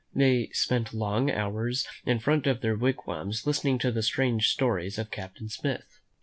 They spent long hours in front of their wigwams listening to the strange stories of Captain Smith.